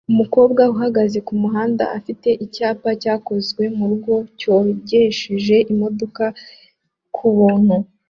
Umukobwa ahagaze kumuhanda afite icyapa cyakozwe murugo 'cyogesheje imodoka kubuntu'